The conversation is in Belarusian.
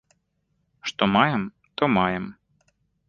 Што маем, тое маем.